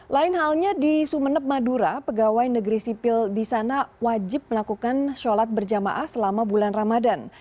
lain halnya di sumeneb madura pegawai negeri sipil di sana wajib melakukan sholat berjamaah selama bulan ramadan